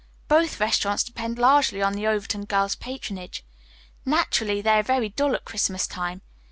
Both restaurants depend largely on the Overton girls' patronage. Naturally, they are very dull at Christmas time.